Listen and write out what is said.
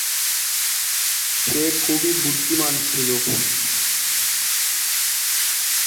এ উপজেলার পূর্বে মেঘনা নদী, উত্তর ও পশ্চিমে বোরহানউদ্দিন উপজেলা এবং দক্ষিণে লালমোহন উপজেলা।